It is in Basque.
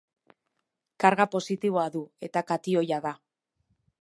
Karga positiboa du, eta katioia da.